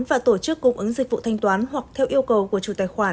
và tổ chức cung ứng dịch vụ thanh toán hoặc theo yêu cầu của chủ tài khoản